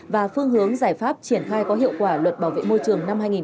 và phương hướng giải pháp triển khai có hiệu quả luật bảo vệ môi trường năm hai nghìn một mươi bốn